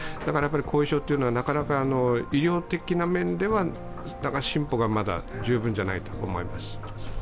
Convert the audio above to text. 後遺症というのはなかなか医療的な面では進歩がまだ十分ではないと思われます。